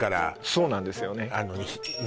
そうなんですよね